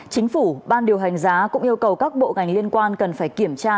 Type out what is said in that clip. chính phủ ban điều hành giá cũng yêu cầu các bộ ngành liên quan cần phải kiểm tra